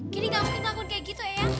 kenny gak mungkin lakuin kayak gitu eyang